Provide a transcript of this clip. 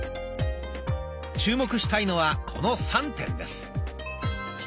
注目したいのはこの３点です。